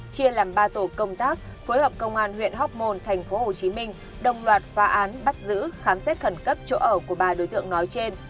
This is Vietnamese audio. phối hợp công an huyện hóc môn tp hcm đồng loạt phá án bắt giữ khám xét khẩn cấp chỗ ở của ba đối tượng nói trên